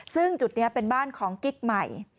ซึ่งจุดนี้เป็นบ้านของกิ๊กใหม่